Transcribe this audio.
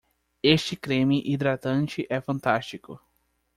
Este creme hidratante é fantástico.